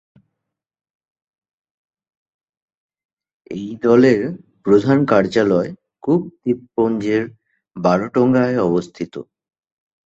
এই দলের প্রধান কার্যালয় কুক দ্বীপপুঞ্জের রারোটোঙ্গায় অবস্থিত।